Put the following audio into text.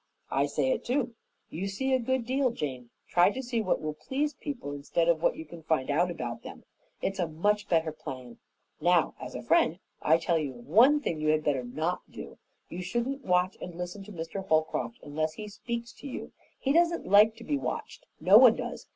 "I say it too. You see a good deal, Jane. Try to see what will please people instead of what you can find out about them. It's a much better plan. Now, as a friend, I tell you of one thing you had better not do. You shouldn't watch and listen to Mr. Holcroft unless he speaks to you. He doesn't like to be watched no one does.